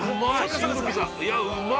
いや、うまい！